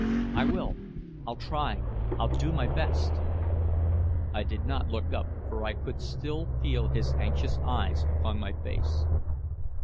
"I will. I'll try. I'll do my best." I did not look up, for I could still feel his anxious eyes upon my face.